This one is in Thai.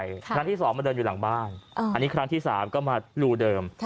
ครั้งที่สองมาเดินหลังบ้านอันนี้ครั้งที่สามก็มาลูเดิม